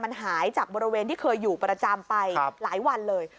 มันหายจากบริเวณที่เคยอยู่ประจำไปหลายวันเลย